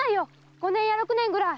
五年や六年ぐらい。